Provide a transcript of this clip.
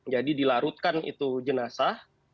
jadi dilarutkan itu jenazah